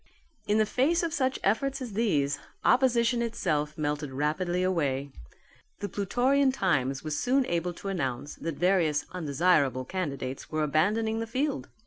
In the face of such efforts as these, opposition itself melted rapidly away. The Plutorian Times was soon able to announce that various undesirable candidates were abandoning the field.